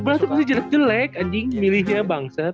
lu sih jelek jelek anjing milihnya bangset